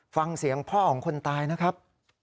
ฟังเสียงพ่อของคนตายนะครับ